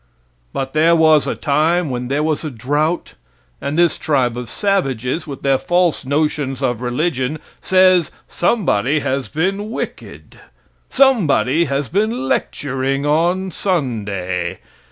But there was a time when there was a drought, and this tribe of savages with their false notions of religion says somebody has been wicked. Somebody has been lecturing on Sunday.